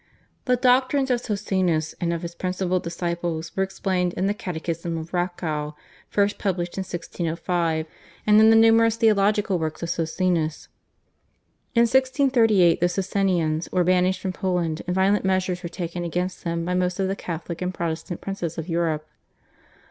The doctrines of Socinus and of his principal disciples were explained in the /Catechism of Racow/ (first published in 1605) and in the numerous theological works of Socinus. In 1638 the Socinians were banished from Poland, and violent measures were taken against them by most of the Catholic and Protestant princes of Europe.